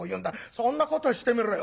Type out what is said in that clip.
「そんなことしてみろよ。